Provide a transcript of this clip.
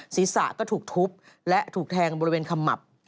ศีรษะก็ถูกทุบและถูกแทงบริเวณขมับ